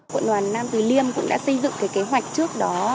quận đoàn nam tùy liêm cũng đã xây dựng cái kế hoạch trước đó